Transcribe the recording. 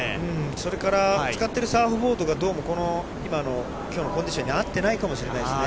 それから使ってるサーフボードがどうも今のきょうのコンディションに合ってないかもしれないですね。